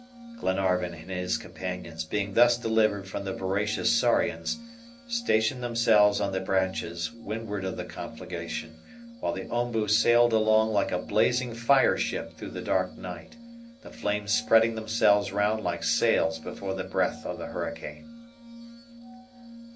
Glenarvan and his companions being thus delivered from the voracious SAURIANS, stationed themselves on the branches windward of the conflagration, while the OMBU sailed along like a blazing fire ship through the dark night, the flames spreading themselves round like sails before the breath of the hurricane.